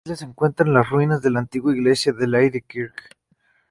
En la isla se encuentran las ruinas de la antigua iglesia de Lady Kirk.